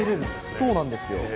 そうなんですよ。